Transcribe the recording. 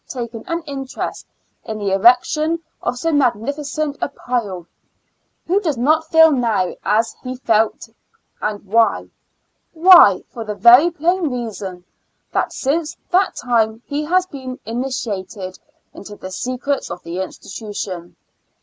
taken an interest in the erection of so mag nificent a pile — who does not feel now as he then felt — and why? Why? for the very plain reason, that since that time he has been inintiated into the secrets of the institution.